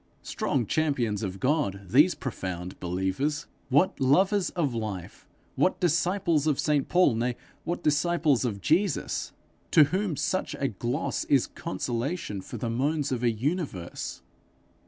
Strong champions of God, these profound believers! What lovers of life, what disciples of St Paul, nay, what disciples of Jesus, to whom such a gloss is consolation for the moans of a universe!